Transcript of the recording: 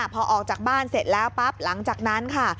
พอออกจากบ้านเสร็จแล้วปั๊บหลังจากนั้นค่ะ